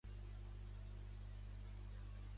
També va ser membre de l'Associació Universal d'Esperanto.